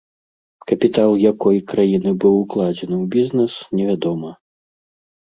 Капітал якой краіны быў укладзены ў бізнэс, невядома.